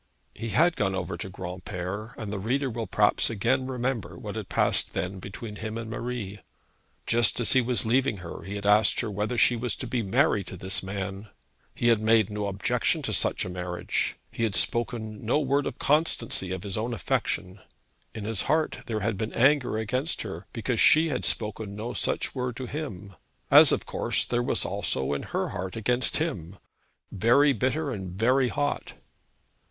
He had gone over to Granpere, and the reader will perhaps again remember what had passed then between him and Marie. Just as he was leaving her he had asked her whether she was to be married to this man. He had made no objection to such a marriage. He had spoken no word of the constancy of his own affection. In his heart there had been anger against her because she had spoken no such word to him, as of course there was also in her heart against him, very bitter and very hot.